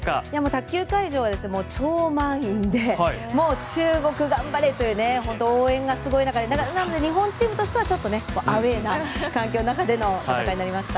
卓球会場は超満員で中国頑張れという本当応援がすごくて日本チームとしてはちょっとアウェーな環境の中での戦いになりました。